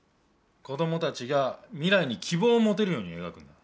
子供たちが未来に希望を持てるように描くんだ。